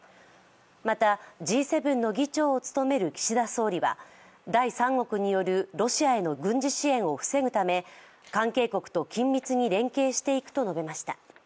また、Ｇ７の議長を務める岸田総理は第三国によるロシアへの軍事支援を防ぐため関係国と緊密に連携していくと述べました。